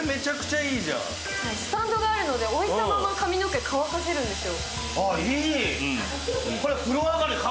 スタンドがあるので置いたまま髪の毛乾かせるんですよ。